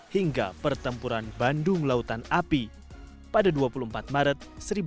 hingga pertempuran bandung lautan api pada dua puluh empat maret seribu sembilan ratus empat puluh